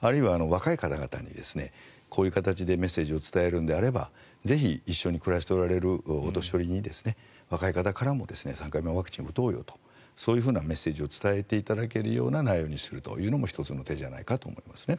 あるいは若い方々にこういう形でメッセージを伝えるのであればぜひ一緒に暮らしておられるお年寄りに若い方からも３回目のワクチンを打とうよとそういうメッセージを伝えていただけるような内容にするというのも１つの手ではないかと思いますね。